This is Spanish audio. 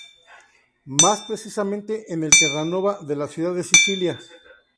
Más precisamente en el Terranova de la ciudad de Sicilia.